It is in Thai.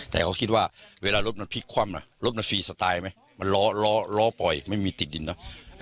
แต่เขาคิดว่าเวลารถมันพลิกคว่ำน่ะรถมันฟรีสไตล์ไหมมันล้อล้อปล่อยไม่มีติดดินเนอะ